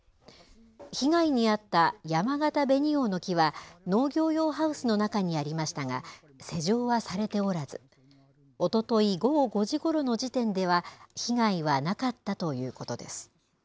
被害に遭ったやまがた紅王の木は、農業用ハウスの中にありましたが、施錠はされておらず、おととい午後５時ごろの時点では、被害はなかったということです。